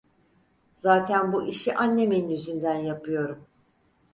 Zaten bu işi annemin yüzünden yapıyorum.